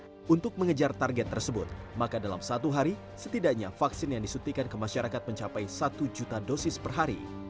satu juta dosis per hari untuk mengejar target tersebut maka dalam satu hari setidaknya vaksin yang disuntikan kemasyarakat mencapai satu juta dosis per hari